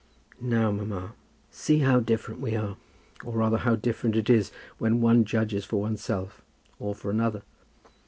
"Now, mamma, see how different we are; or, rather, how different it is when one judges for oneself or for another.